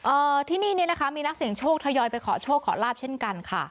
เอ่อที่นี่เนี่ยนะคะมีนักเสียงโชคทยอยไปขอโชคขอลาบเช่นกันค่ะ